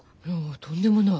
とんでもない。